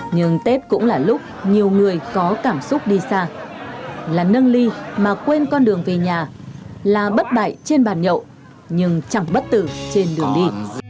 nhưng tết cũng là lúc nhiều người có cảm xúc đi xa là nâng ly mà quên con đường về nhà là bất bại trên bàn nhậu nhưng chẳng bất tử trên đường đi